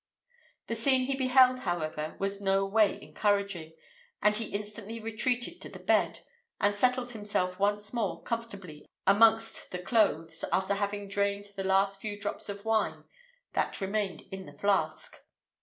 The scene he beheld, however, was no way encouraging, and he instantly retreated to the bed, and settled himself once more comfortably amongst the clothes, after having drained the few last drops of wine that remained in the flask.